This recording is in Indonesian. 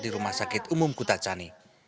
di rumah sakit umum kutacani